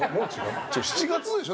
７月でしょ？